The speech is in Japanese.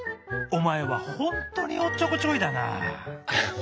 おまえはほんとにおっちょこちょいだなあ」。